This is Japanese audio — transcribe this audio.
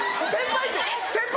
先輩！